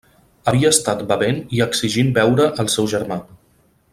Havia estat bevent i exigint veure al seu germà.